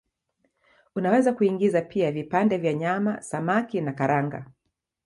Unaweza kuingiza pia vipande vya nyama, samaki na karanga.